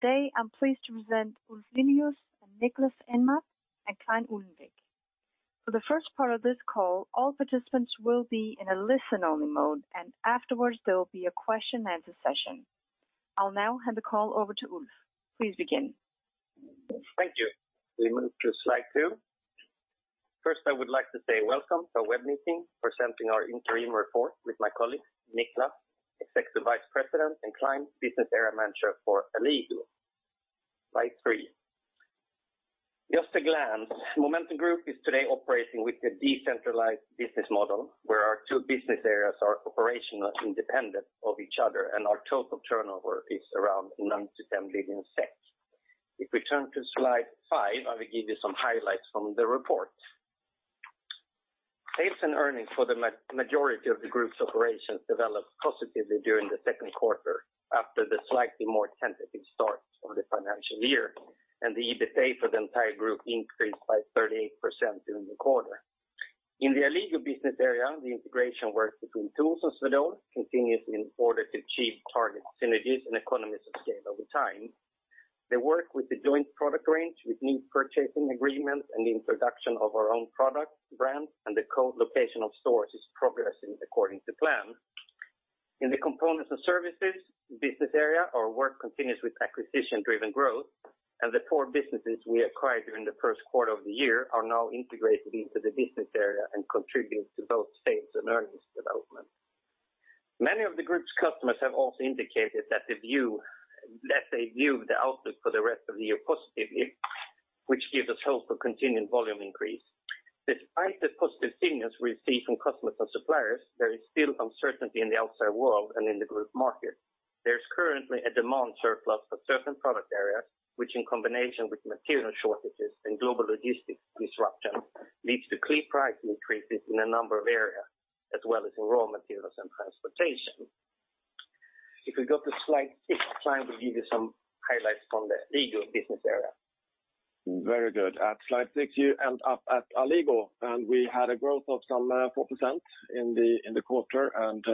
Today, I'm pleased to present Ulf Lilius and Niklas Enmark and Clein Ullenvik. For the first part of this call, all participants will be in a listen-only mode, and afterwards, there will be a question and answer session. I'll now hand the call over to Ulf. Please begin. Thank you. We move to slide two. First, I would like to say welcome to our web meeting presenting our interim report with my colleague Niklas, Executive Vice President and Clein Business Area Manager for Alligo. Slide three. Just a glance, Momentum Group is today operating with a decentralized business model, where our two business areas are operational, independent of each other, our total turnover is around 97 million. If we turn to slide five, I will give you some highlights from the report. Sales and earnings for the majority of the group's operations developed positively during the second quarter after the slightly more tentative start of the financial year. The EBITA for the entire group increased by 38% during the quarter. In the Alligo business area, the integration worked between TOOLS and Swedol continuously in order to achieve target synergies and economies of scale over time. They work with the joint product range with new purchasing agreements and the introduction of our own product brands, and the co-location of stores is progressing according to plan. In the Components and Services business area, our work continues with acquisition-driven growth, and the four businesses we acquired during the first quarter of the year are now integrated into the business area and contribute to both sales and earnings development. Many of the group's customers have also indicated that they view the outlook for the rest of the year positively, which gives us hope for continued volume increase. Despite the positive signals we see from customers and suppliers, there is still uncertainty in the outside world and in the group market. There's currently a demand surplus for certain product areas, which in combination with material shortages and global logistics disruption, leads to clear price increases in a number of areas, as well as in raw materials and transportation. If we go to slide six, Clein will give you some highlights from the Alligo business area. Very good. At slide six, you end up at Alligo, and we had a growth of some 4% in the quarter, and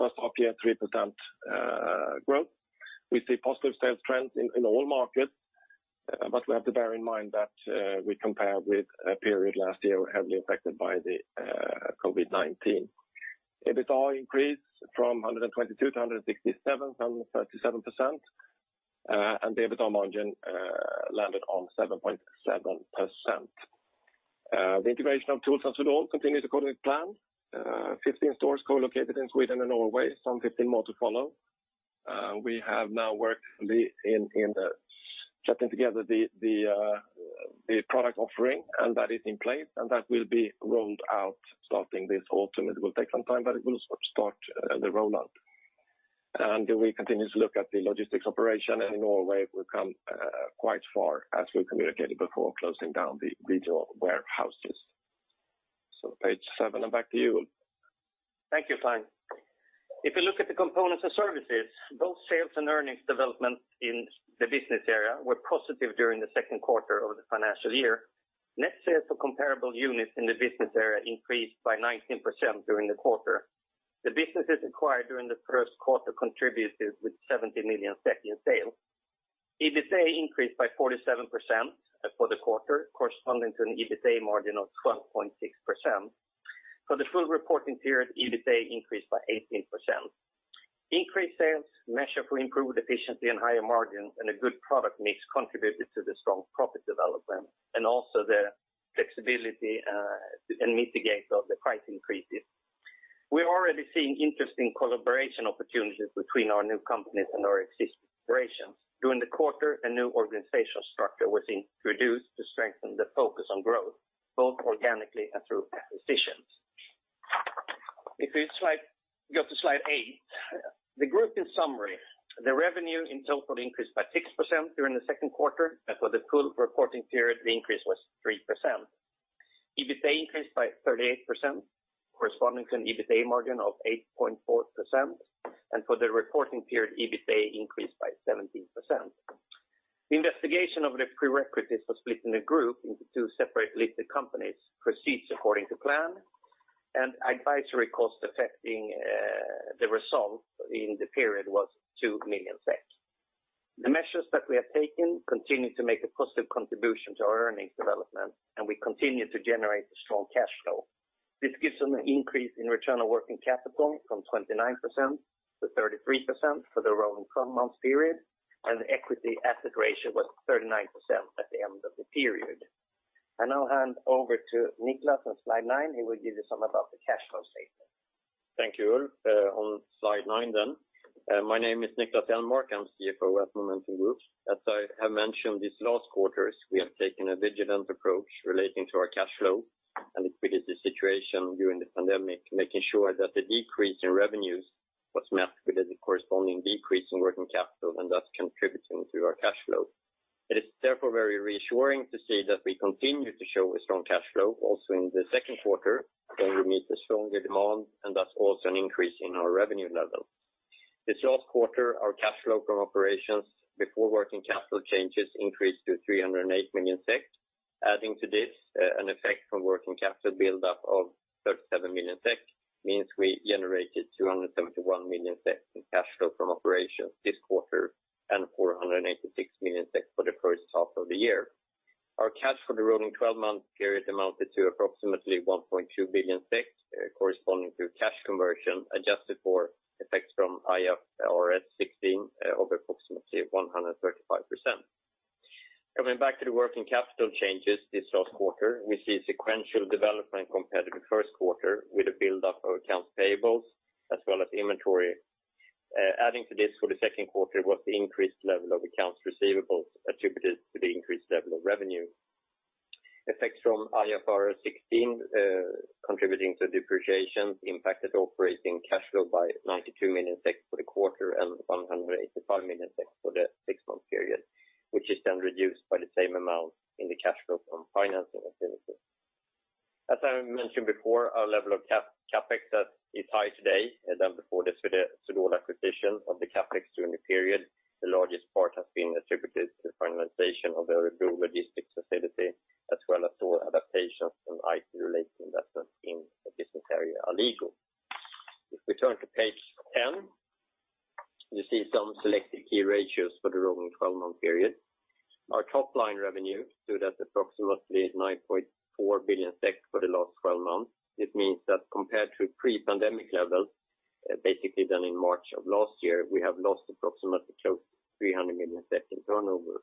first half year, 3% growth. We see positive sales trends in all markets, but we have to bear in mind that we compare with a period last year heavily affected by the COVID-19. EBITA increased from 122-167, 37%, and the EBITA margin landed on 7.7%. The integration of TOOLS and Swedol continues according to plan. 15 stores co-located in Sweden and Norway, some 15 more to follow. We have now worked in the setting together the product offering, and that is in place, and that will be rolled out starting this autumn. It will take some time, but it will start the rollout. We continue to look at the logistics operation in Norway. We've come quite far as we communicated before closing down the regional warehouses. Page seven, and back to you, Ulf. Thank you, Clein. If you look at the Components and Services, both sales and earnings development in the business area were positive during the second quarter of the financial year. Net sales for comparable units in the business area increased by 19% during the quarter. The businesses acquired during the first quarter contributed with 70 million in sales. EBITA increased by 47% for the quarter, corresponding to an EBITA margin of 12.6%. For the full reporting period, EBITA increased by 18%. Increased sales measured for improved efficiency and higher margins and a good product mix contributed to the strong profit development and also the flexibility and mitigate of the price increases. We are already seeing interesting collaboration opportunities between our new companies and our existing operations. During the quarter, a new organizational structure was introduced to strengthen the focus on growth, both organically and through acquisitions. If we go to slide eight, the group in summary, the revenue in total increased by 6% during the second quarter. For the full reporting period, the increase was 3%. EBITA increased by 38%, corresponding to an EBITA margin of 8.4%. For the reporting period, EBITA increased by 17%. The investigation of the prerequisites for splitting the group into two separate listed companies proceeds according to plan. Advisory cost affecting the result in the period was 2 million SEK. The measures that we have taken continue to make a positive contribution to our earnings development. We continue to generate a strong cash flow. This gives an increase in return on working capital from 29%-33% for the rolling 12 months period. The equity asset ratio was 39% at the end of the period. I now hand over to Niklas on slide nine, who will give you some about the cash flow statement. Thank you, Ulf. On slide nine. My name is Niklas Enmark. I'm CFO at Momentum Group. As I have mentioned these last quarters, we have taken a vigilant approach relating to our cash flow and liquidity situation during the pandemic, making sure that the decrease in revenues was met with a corresponding decrease in working capital and thus contributing to our cash flow. It is therefore very reassuring to see that we continue to show a strong cash flow also in the secondnd quarter, when we meet a stronger demand and thus also an increase in our revenue level. This last quarter, our cash flow from operations before working capital changes increased to 308 million. Adding to this, an effect from working capital buildup of 37 million means we generated 271 million in cash flow from operations this quarter and 486 million for the first half of the year. Our cash for the rolling 12-month period amounted to approximately 1.2 billion SEK, corresponding to cash conversion adjusted for effects from IFRS 16 of approximately 135%. Coming back to the working capital changes this last quarter, we see sequential development compared to the first quarter with a buildup of accounts payables as well as inventory. Adding to this for the second quarter was the increased level of accounts receivables attributed to the increased level of revenue. Effects from IFRS 16 contributing to depreciations impacted operating cash flow by 92 million for the quarter and 185 million for the six-month period, which is then reduced by the same amount in the cash flow from financing activities. As I mentioned before, our level of CapEx is high today than before the Swedol acquisition of the CapEx during the period. The largest part has been attributed to the finalization of the renewable logistics facility as well as to adaptations and IT-related investments in the business area Alligo. If we turn to page 10, you see some selected key ratios for the rolling 12-month period. Our top-line revenue stood at approximately 9.4 billion for the last 12 months. This means that compared to pre-pandemic levels, basically then in March of last year, we have lost approximately close to 300 million in turnover.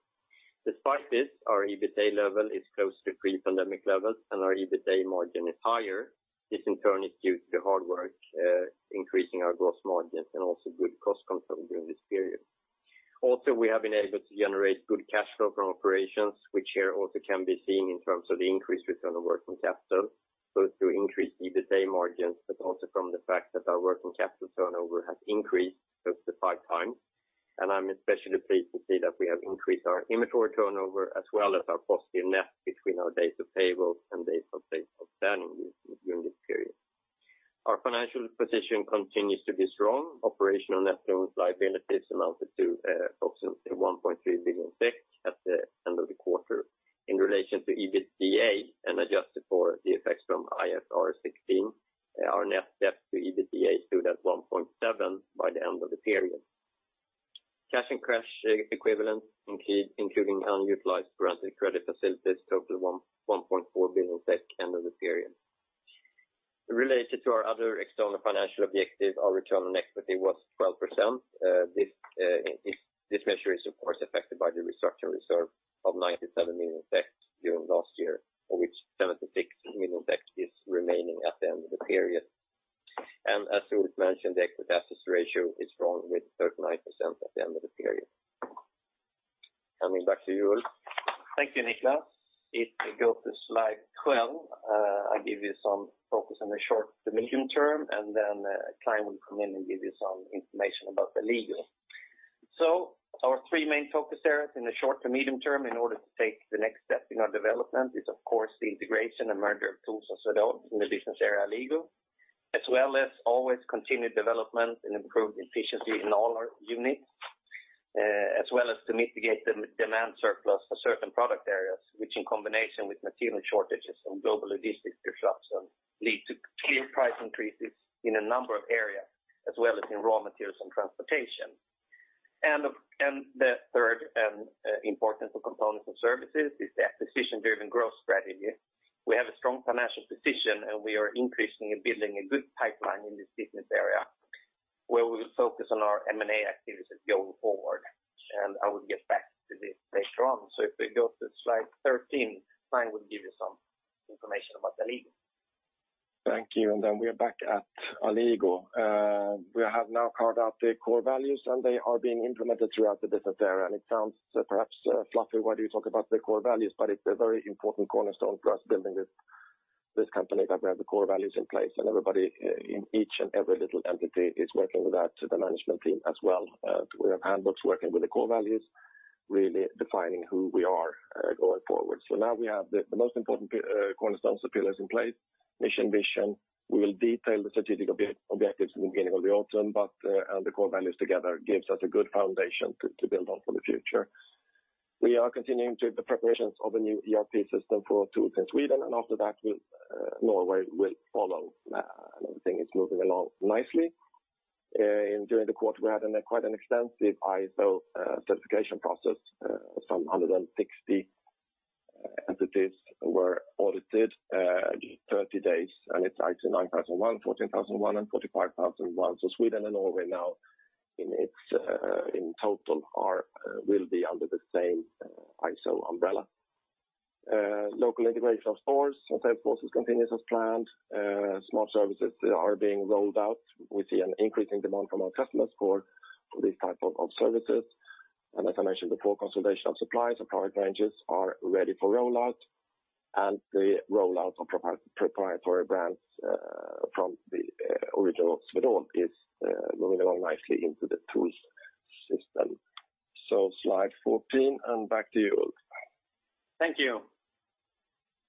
Despite this, our EBITA level is close to pre-pandemic levels, and our EBITA margin is higher. This in turn is due to the hard work increasing our gross margins and also good cost control during this period. We have been able to generate good cash flow from operations, which here also can be seen in terms of the increased return of working capital, both through increased EBITA margins, but also from the fact that our working capital turnover has increased close to 5x. I'm especially pleased to see that we have increased our inventory turnover as well as our positive net between our days of payables and days of pay of earnings during this period. Our financial position continues to be strong. Operational net loans liabilities amounted to approximately 1.3 billion at the end of the quarter. In relation to EBITA and adjusted for the effects from IFRS 16, our net debt to EBITA stood at 1.7 by the end of the period. Cash and cash equivalents, including unutilized granted credit facilities, totaled 1.4 billion SEK end of the period. Related to our other external financial objective, our return on equity was 12%. This measure is of course affected by the restructuring reserve of 97 million during last year, of which 76 million is remaining at the end of the period. As Ulf mentioned, the equity assets ratio is strong with 39% at the end of the period. Coming back to you, Ulf. Thank you, Niklas. If we go to slide 12, I give you some focus on the short to medium term, and then Clein will come in and give you some information about Alligo. Our three main focus areas in the short to medium term in order to take the next step in our development is of course the integration and merger of TOOLS and Swedol in the business area Alligo, as well as always continued development and improved efficiency in all our units. As well as to mitigate the demand surplus for certain product areas, which in combination with material shortages and global logistics disruption lead to clear price increases in a number of areas, as well as in raw materials and transportation. The third important component of services is the acquisition-driven growth strategy. We have a strong financial position, and we are increasingly building a good pipeline in this business area where we will focus on our M&A activities going forward. I will get back to this later on. If we go to slide 13, Clein will give you some information about Alligo. Thank you. We are back at Alligo. We have now carved out the core values, and they are being implemented throughout the business area. It sounds perhaps fluffy, why do you talk about the core values? It's a very important cornerstone for us building this company, that we have the core values in place and everybody in each and every little entity is working with that to the management team as well. We have handbooks working with the core values, really defining who we are going forward. Now we have the most important cornerstones, the pillars in place, mission, vision. We will detail the strategic objectives in the beginning of the autumn, but the core values together gives us a good foundation to build on for the future. We are continuing to the preparations of a new ERP system for TOOLS in Sweden. After that, Norway will follow. Everything is moving along nicely. During the quarter, we had quite an extensive ISO certification process. Some 160 entities were audited, just 30 days. It's ISO 9001, 14001, and 45001. Sweden and Norway now in total will be under the same ISO umbrella. Local integration of stores and sales forces continues as planned. Smart services are being rolled out. We see an increasing demand from our customers for these types of services. As I mentioned before, consolidation of suppliers and product ranges are ready for rollout. The rollout of proprietary brands from the original Swedol is moving along nicely into the TOOLS system. Slide 14. Back to you, Ulf. Thank you.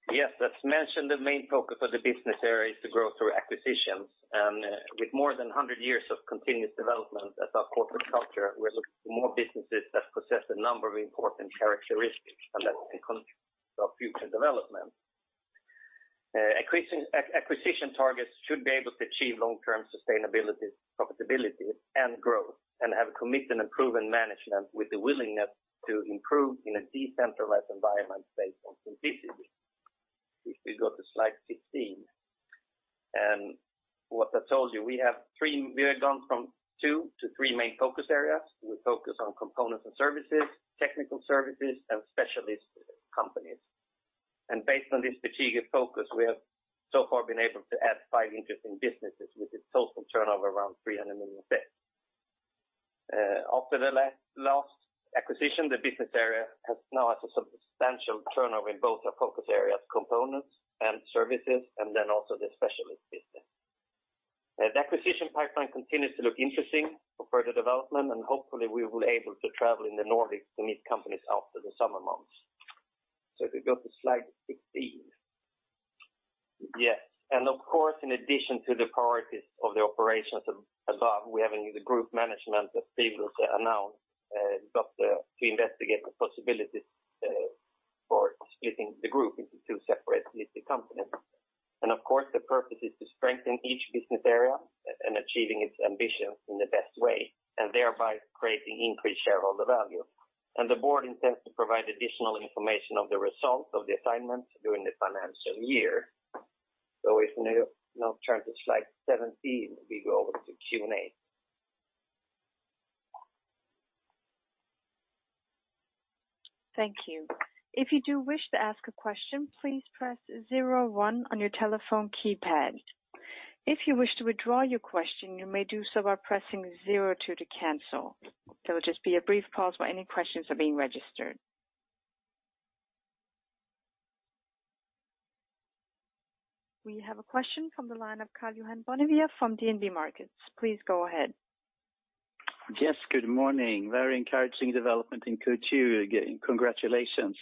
Yes, that's mentioned the main focus of the business area is to grow through acquisitions. With more than 100 years of continuous development as our corporate culture, we're looking for more businesses that possess a number of important characteristics and that can contribute to our future development. Acquisition targets should be able to achieve long-term sustainability, profitability, and growth, and have a committed and proven management with the willingness to improve in a decentralized environment based on simplicity. If we go to slide 15, and what I told you, we have gone from two to three main focus areas. We focus on Components and Services, Technical Services, and Specialist Companies. Based on this strategic focus, we have so far been able to add five interesting businesses with a total turnover around 300 million. After the last acquisition, the business area has now a substantial turnover in both our focus areas, Components and Services, also the Specialist business. The acquisition pipeline continues to look interesting for further development, hopefully we will be able to travel in the Nordics to meet companies after the summer months. If we go to slide 16. Yes. Of course, in addition to the priorities of the operations above, we have in the group management that Stig will announce, got to investigate the possibilities for splitting the group into two separate listed companies. Of course, the purpose is to strengthen each business area and achieving its ambitions in the best way, and thereby creating increased shareholder value. The board intends to provide additional information of the result of the assignment during the financial year. If now turn to slide 17, we go over to Q&A. Thank you. If you do wish to ask a question please press zero one on your telephone keypad. If you wish to withdraw your question you may do so by pressing zero to the cancel. There will be a brief pause while any questions are being registered. We have a question from the line of Karl-Johan Bonnevier from DNB Markets. Please go ahead. Yes, good morning. Very encouraging development in Q2. Congratulations.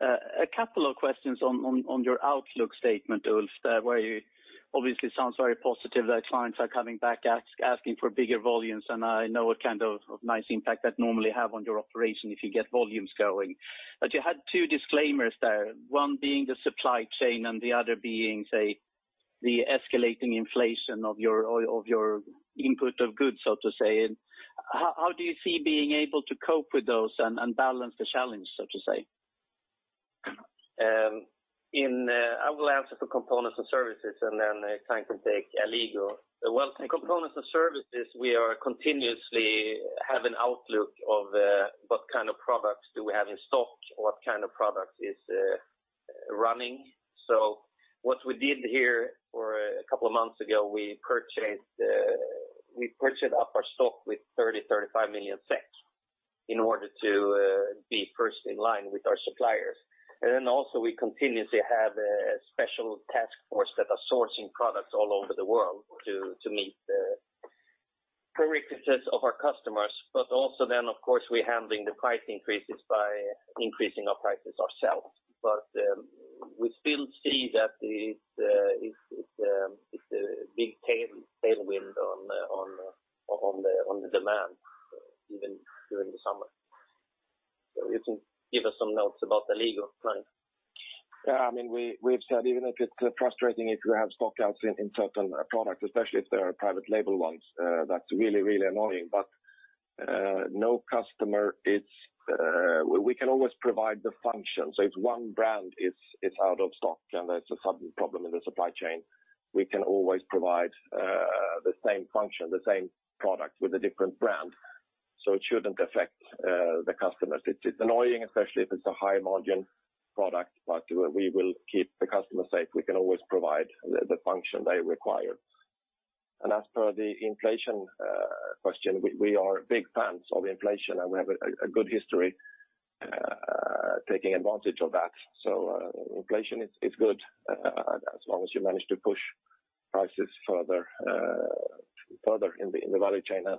A couple of questions on your outlook statement, Ulf, where you obviously sounds very positive that Clein are coming back asking for bigger volumes, and I know what kind of nice impact that normally have on your operation if you get volumes going. You had two disclaimers there, one being the supply chain and the other being, say, the escalating inflation of your input of goods, so to say. How do you see being able to cope with those and balance the challenge, so to say? I will answer for Components and Services, and then Clein can take Alligo. Okay. In Components and Services, we continuously have an outlook of what kind of products do we have in stock, what kind of product is running. What we did here a couple of months ago, we purchased up our stock with 30 million-35 million SEK in order to be first in line with our suppliers. We continuously have a special task force that are sourcing products all over the world to meet the prerequisites of our customers. Also then, of course, we're handling the price increases by increasing our prices ourselves. We still see that it's a big tailwind on the demand, even during the summer. You can give us some notes about Alligo, Clein. Yeah, we've said even if it's frustrating if you have stock outs in certain products, especially if they are private label ones, that's really annoying, but we can always provide the function. If one brand is out of stock and there's a sudden problem in the supply chain, we can always provide the same function, the same product with a different brand. It shouldn't affect the customers. It's annoying, especially if it's a high margin product, but we will keep the customer safe. We can always provide the function they require. As per the inflation question, we are big fans of inflation, and we have a good history taking advantage of that. Inflation is good as long as you manage to push prices further in the value chain and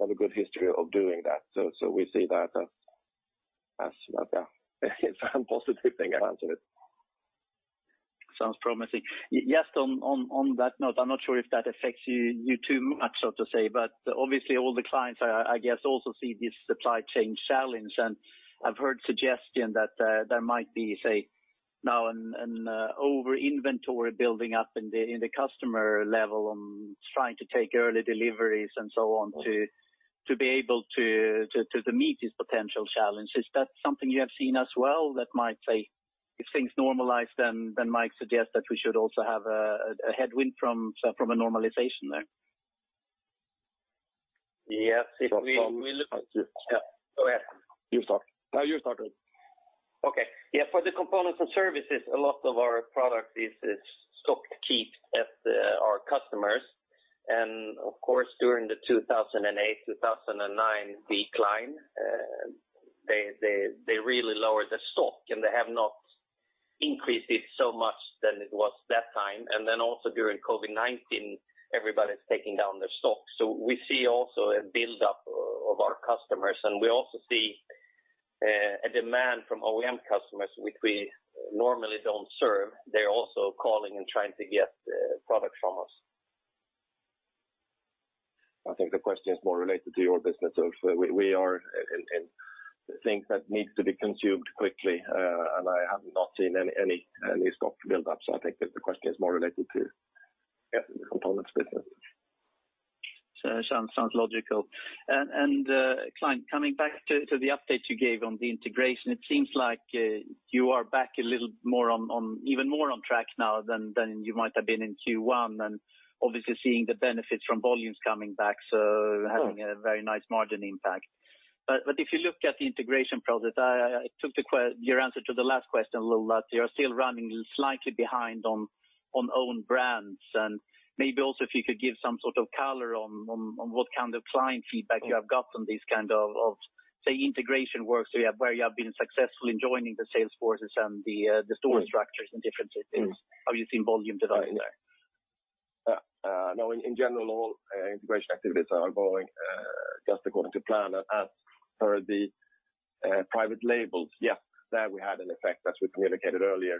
have a good history of doing that. We see that as a positive thing actually. Sounds promising. Yes, on that note, I'm not sure if that affects you too much, so to say, but obviously all the clients, I guess, also see this supply chain challenge, and I've heard suggestion that there might be, say, now an over-inventory building up in the customer level and trying to take early deliveries and so on to be able to meet these potential challenges. Is that something you have seen as well that might say if things normalize, then might suggest that we should also have a headwind from a normalization there? Yes. From- Yeah, go ahead. You start. No, you start it. Okay. Yeah, for the Components and Services, a lot of our product is stock keep at our customers. Of course, during the 2008, 2009 decline, they really lowered their stock, and they have not increased it so much than it was that time. Then also during COVID-19, everybody's taking down their stock. We see also a build-up of our customers, and we also see a demand from OEM customers, which we normally don't serve. They're also calling and trying to get products from us. I think the question is more related to your business also. We are in the things that need to be consumed quickly, and I have not seen any stock build up. I think that the question is more related to the components business. Sounds logical. Clein, coming back to the update you gave on the integration, it seems like you are back even more on track now than you might have been in Q1, obviously seeing the benefits from volumes coming back, having a very nice margin impact. If you look at the integration project, I took your answer to the last question a little that you're still running slightly behind on own brands, maybe also if you could give some sort of color on what kind of client feedback you have got from these kind of, say, integration work where you have been successful in joining the sales forces and the store structures in different systems. How do you see volume developing there? No, in general, all integration activities are going just according to plan. As per the private labels, yes, there we had an effect, as we communicated earlier.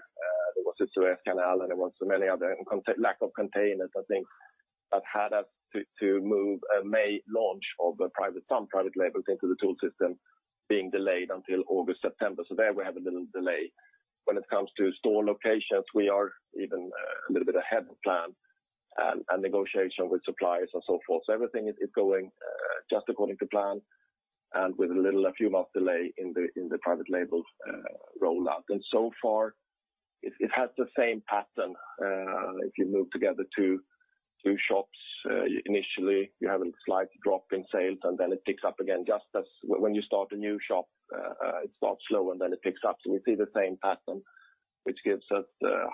There was the Suez Canal and there was so many other lack of containers, I think, that had us to move a May launch of some private labels into the TOOLS system being delayed until August, September. There we had a little delay. When it comes to store locations, we are even a little bit ahead of plan and negotiation with suppliers and so forth. Everything is going just according to plan and with a few months delay in the private label rollout. So far it has the same pattern. If you move together two shops, initially you have a slight drop in sales and then it picks up again, just as when you start a new shop, it starts slow and then it picks up. We see the same pattern, which gives us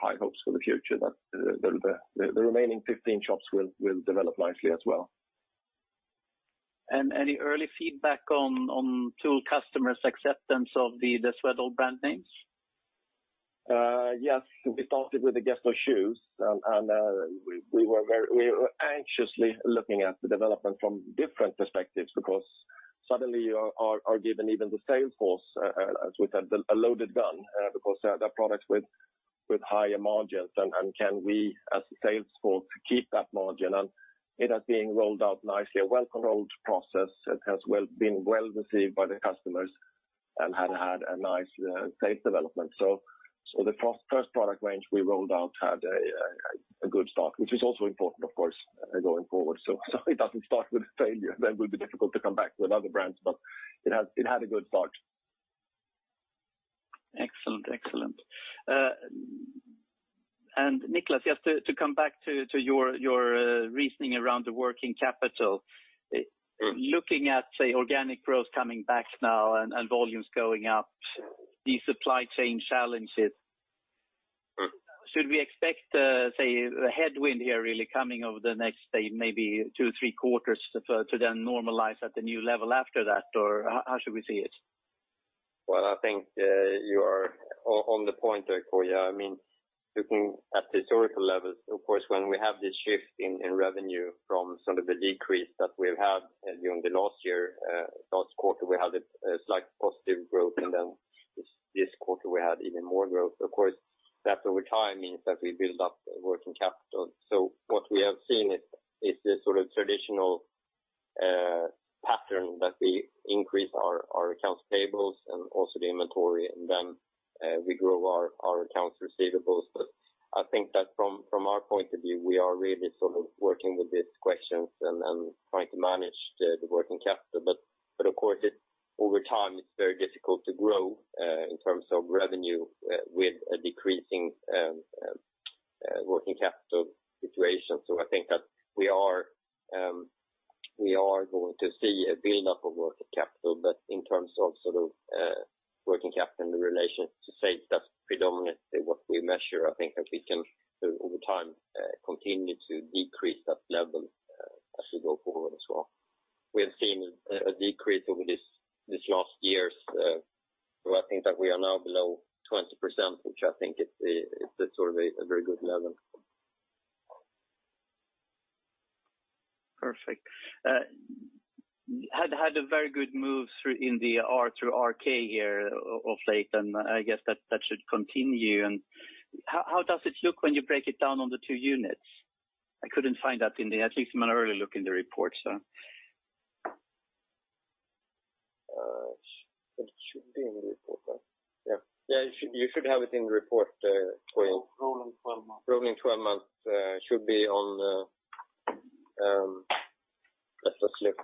high hopes for the future that the remaining 15 shops will develop nicely as well. Any early feedback on TOOLS customers acceptance of the Swedol brand names? Yes. We started with the Gesto shoes. We were anxiously looking at the development from different perspectives because suddenly our given need of the sales force as we had a loaded gun because they are the products with higher margins and can we as a sales force keep that margin? It has been rolled out nicely, a well-controlled process. It has been well received by the customers and had a nice sales development. The first product range we rolled out had a good start, which is also important, of course, going forward. It doesn't start with a failure. It will be difficult to come back with other brands, but it had a good start. Excellent. Niklas, just to come back to your reasoning around the working capital. Looking at, say, organic growth coming back now and volumes going up, these supply chain challenges. Should we expect a headwind here really coming over the next, say, maybe two, three quarters to then normalize at the new level after that? Or how should we see it? Well, I think you are on the point there, Johan. Looking at historical levels, of course, when we have this shift in revenue from some of the decrease that we've had during the last year, last quarter, we had a slight positive growth and then this quarter we had even more growth. Of course, that over time means that we build up working capital. What we have seen is this sort of traditional pattern that we increase our accounts payables and also the inventory, and then we grow our accounts receivables. I think that from our point of view, we are really sort of working with these questions and trying to manage the working capital. Of course, over time, it's very difficult to grow in terms of revenue with a decreasing working capital situation. I think that we are going to see a build up of working capital, but in terms of sort of working capital in relation to sales, that's predominantly what we measure. I think that we can, over time, continue to decrease that level as we go forward as well. We have seen a decrease over this last years. I think that we are now below 20%, which I think is sort of a very good level. Perfect. Had a very good move in the R/RK here of late. I guess that should continue. How does it look when you break it down on the two units? I couldn't find that at least in my early look in the report. It should be in the report. Yes. You should have it in the report there, Johan. Rolling 12 months. Let us look.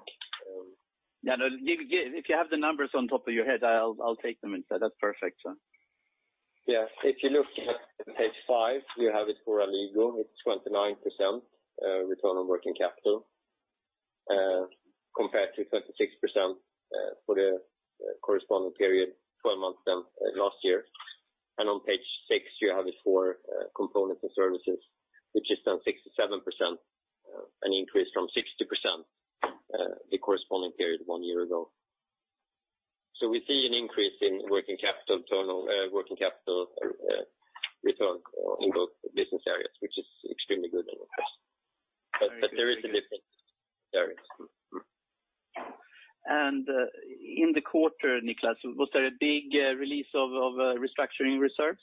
If you have the numbers on top of your head, I'll take them inside. That's perfect. Yes. If you look at page five, you have it for Alligo. It's 29% return on working capital compared to 26% for the corresponding period 12 months down last year. On page six, you have it for Components and Services, which is now 67%, an increase from 60% the corresponding period one year ago. We see an increase in working capital return on both business areas, which is extremely good. There is a difference. There is. In the quarter, Niklas, was there a big release of restructuring reserves?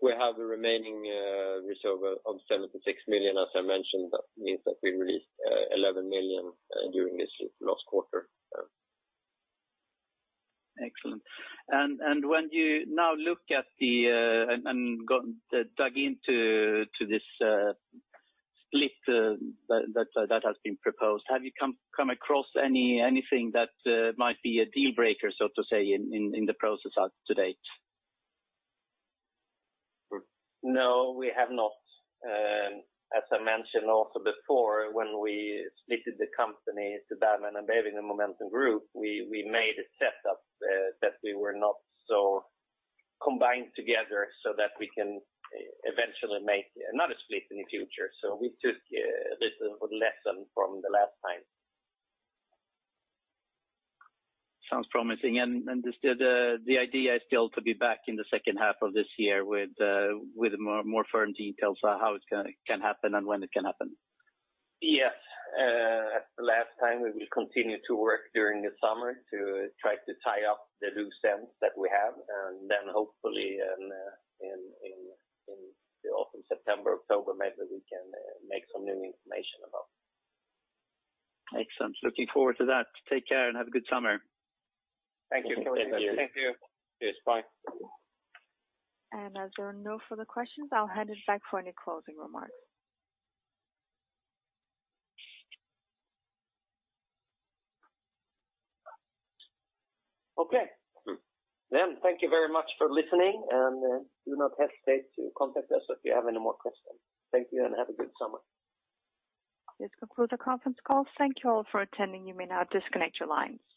We have a remaining reserve of 76 million, as I mentioned. That means that we released 11 million during this last quarter. Excellent. When you now dug into this split that has been proposed, have you come across anything that might be a deal breaker, so to say, in the process up to date? No, we have not. As I mentioned also before, when we splitted the company to Bergman & Beving and Momentum Group, we made a setup that we were not so combined together so that we can eventually make another split in the future. We took a little lesson from the last time. Sounds promising. The idea is still to be back in the second half of this year with more firm details on how it can happen and when it can happen? Yes. Last time, we will continue to work during the summer to try to tie up the loose ends that we have, and then hopefully in the autumn, September, October, maybe we can make some new information about. Excellent. Looking forward to that. Take care and have a good summer. Thank you. Thank you. Cheers. Bye. As there are no further questions, I'll hand it back for any closing remarks. Okay. Thank you very much for listening, and do not hesitate to contact us if you have any more questions. Thank you and have a good summer. This concludes our conference call. Thank you all for attending. You may now disconnect your lines.